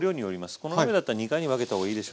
この鍋だったら２回に分けた方がいいでしょうね。